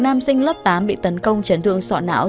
nam sinh lớp tám bị tấn công chấn thương sọ não